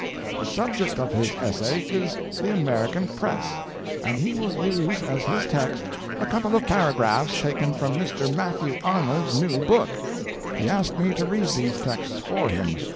The subject of his essay is the American Press, and he will use as his text a couple of paragraphs taken from Mr. Matthew Arnold's new book. He asks me to read these texts for him.